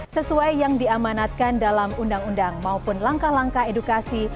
sesuai yang diamanatkan dalam undang undang maupun langkah langkah edukasi